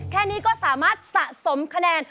แค่นี้ก็สามารถสะสมคะแนน